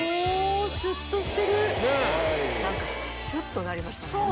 おおスッとしてる何かスッとなりましたね